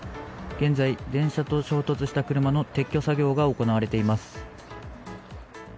現在、電車と衝突した車の撤去作業が行われています。